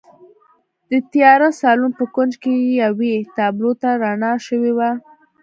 د تیاره سالون په کونج کې یوې تابلو ته رڼا شوې وه